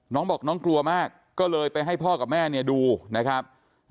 น้องบอกน้องกลัวมากก็เลยไปให้พ่อกับแม่เนี่ยดูนะครับ